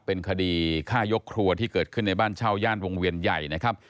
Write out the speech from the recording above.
เป็นคดีฆ่ายกครัวที่เกิดขึ้นในบ้านเช่าย่านวงเวียนใหญ่นะครับ